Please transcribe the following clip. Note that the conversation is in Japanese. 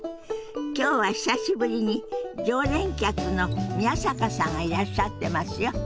今日は久しぶりに常連客の宮坂さんがいらっしゃってますよ。